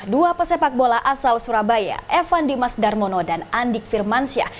dua pesepak bola asal surabaya evan dimas darmono dan andik firmansyah